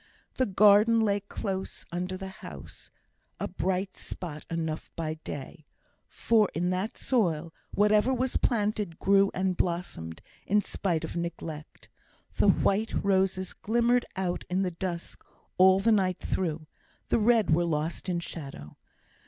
The garden lay close under the house; a bright spot enough by day; for in that soil, whatever was planted grew and blossomed in spite of neglect. The white roses glimmered out in the dusk all the night through; the red were lost in shadow.